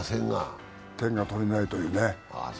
点が取れないというね。